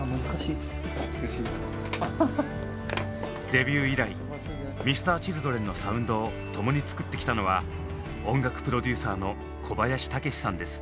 デビュー以来Ｍｒ．Ｃｈｉｌｄｒｅｎのサウンドを共に作ってきたのは音楽プロデューサーの小林武史さんです。